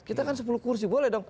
kita kan sepuluh kursi boleh dong